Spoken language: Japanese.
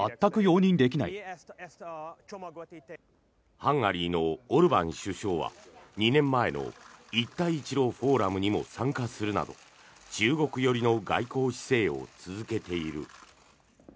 ハンガリーのオルバン首相は２年前の一帯一路フォーラムにも参加するなど中国寄りの外交姿勢を続けている。